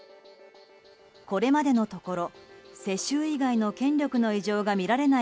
これまでのところ世襲以外の権力の移譲が見られない